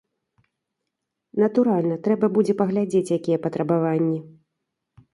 Натуральна, трэба будзе паглядзець, якія патрабаванні.